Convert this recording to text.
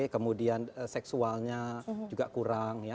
kemudian seksualnya juga kurang